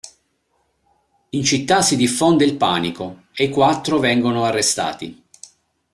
In città si diffonde il panico e i quattro vengono arrestati.